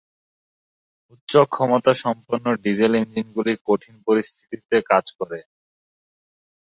উচ্চ-ক্ষমতা সম্পন্ন ডিজেল ইঞ্জিনগুলি কঠিন পরিস্থিতিতে কাজ করে।